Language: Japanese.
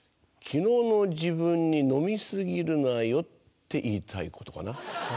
昨日の自分に「飲み過ぎるなよ」って言いたいことかな。